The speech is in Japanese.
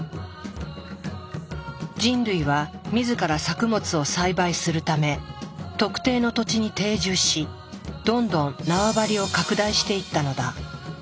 人類は自ら作物を栽培するため特定の土地に定住しどんどん縄張りを拡大していったのだ。